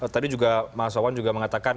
tadi juga mas wawan juga mengatakan